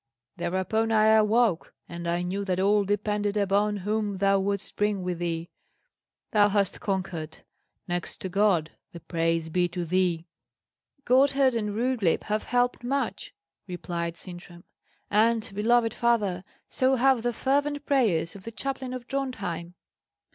Thereupon I awoke; and I knew that all depended upon whom thou wouldst bring with thee. Thou hast conquered. Next to God, the praise be to thee!" "Gotthard and Rudlieb have helped much," replied Sintram; "and, beloved father, so have the fervent prayers of the chaplain of Drontheim.